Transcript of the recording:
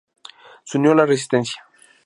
Se unió a la resistencia.